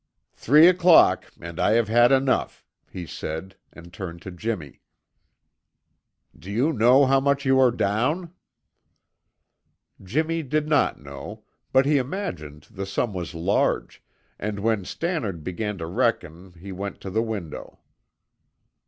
"Three o'clock and I have had enough," he said, and turned to Jimmy. "Do you know how much you are down?" Jimmy did not know, but he imagined the sum was large, and when Stannard began to reckon he went to the window.